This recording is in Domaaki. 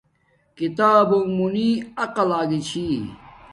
کتابونگ مونی عقل آگا چھی